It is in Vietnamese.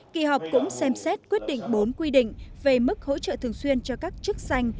kỳ họp cũng xem xét quyết định bốn quy định về mức hỗ trợ thường xuyên cho các chức danh